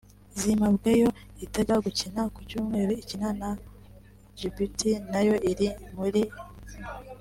Zimabwe yo izatangira gukina ku cyumweru ikina na Djibouti nayo iri muri iri tsinda